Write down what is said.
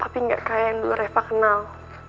tapi enggak kayak yang dulu reva kenal